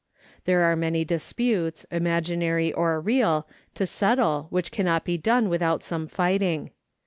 There are many disputes, imaginary or real, to settle which cannot be done without some fighting.